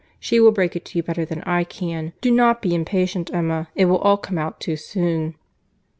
She will break it to you better than I can. Do not be impatient, Emma; it will all come out too soon."